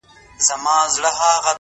اې ه څنګه دي کتاب له مخه ليري کړم